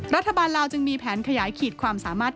ลาวจึงมีแผนขยายขีดความสามารถ